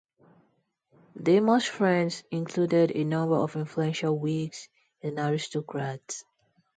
Damer's friends included a number of influential Whigs and aristocrats.